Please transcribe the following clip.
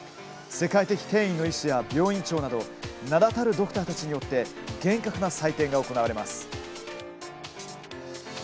世界的権威の医師や病院長など名だたるドクターたちによって厳格な採点が行われます。